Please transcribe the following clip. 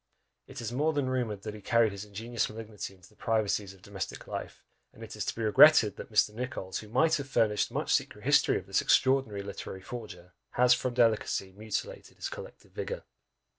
It is more than rumoured that he carried his ingenious malignity into the privacies of domestic life; and it is to be regretted that Mr. Nichols, who might have furnished much secret history of this extraordinary literary forger, has, from delicacy, mutilated his collective vigour.